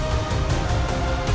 sampai jumpa lagi